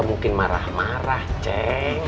mungkin marah marah ceng